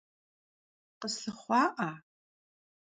Khıslhıxhua'a?